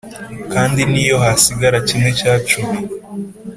Kandi n’iyo hasigara kimwe cya cumi,